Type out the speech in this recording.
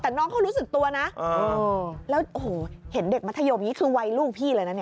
แต่น้องเขารู้สึกตัวนะแล้วโอ้โหเห็นเด็กมัธยมอย่างนี้คือวัยลูกพี่เลยนะเนี่ย